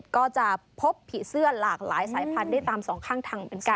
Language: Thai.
ก็จะพบผีเสื้อหลากหลายสายพันธุ์ได้ตามสองข้างทางเป็น๙